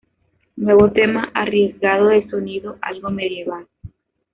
Nuevo tema arriesgado de sonido algo "medieval".